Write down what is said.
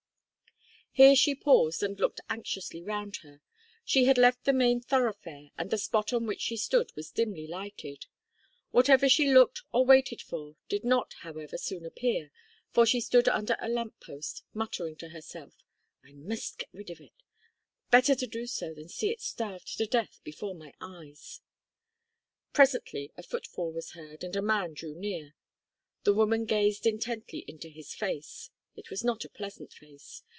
Here she paused and looked anxiously round her. She had left the main thoroughfare, and the spot on which she stood was dimly lighted. Whatever she looked or waited for, did not, however, soon appear, for she stood under a lamp post, muttering to herself, "I must git rid of it. Better to do so than see it starved to death before my eyes." Presently a foot fall was heard, and a man drew near. The woman gazed intently into his face. It was not a pleasant face.